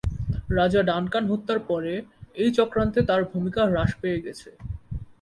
রাজা ডানকান হত্যার পরে, এই চক্রান্তে তার ভূমিকা হ্রাস পেয়ে গেছে।